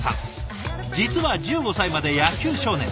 実は１５歳まで野球少年。